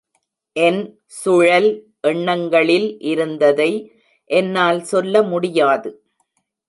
என் சுழல் எண்ணங்களில் இருந்ததை என்னால் சொல்ல முடியாது.